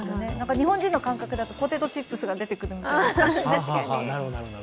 日本人の感覚だとポテトチップスが出てくるみたいな感じですけど。